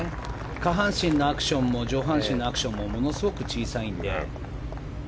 下半身のアクションも上半身のアクションもものすごく小さいので。